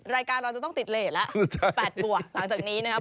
รายการเราจะต้องติดเลสแล้ว๘ตัวหลังจากนี้นะครับ